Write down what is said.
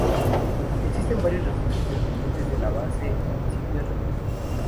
Existen varios refugios dependientes de la base en sitios remotos.